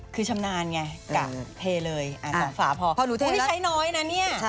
คือชำนาญไงกะเทเลยอันสองฝาพอเพราะที่ใช้น้อยนะเนี่ยพอหนูเทแล้ว